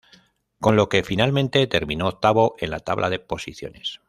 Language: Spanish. Con lo que finalmente terminó octavo en la tabla de posiciones.